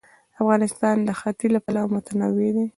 افغانستان د ښتې له پلوه متنوع دی.